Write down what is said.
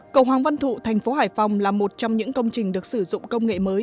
cầu hoàng văn thụ thành phố hải phòng là một trong những công trình được sử dụng công nghệ mới